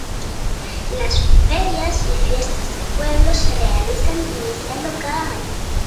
Las ferias y fiestas del pueblo se realizan iniciando cada año.